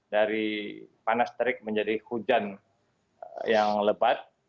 dari panas terik menjadi hujan yang lebat